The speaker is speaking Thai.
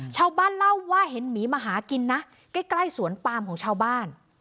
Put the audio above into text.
ชาวบ้านเล่าว่าเห็นหมีมาหากินนะใกล้สวนปามของชาวบ้าน